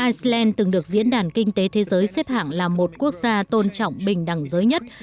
iceland từng được diễn đàn kinh tế thế giới xếp hạng là một quốc gia tôn trọng bình đẳng giới nhất